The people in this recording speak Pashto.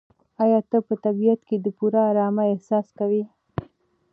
ایا ته په طبیعت کې د پوره ارامۍ احساس کوې؟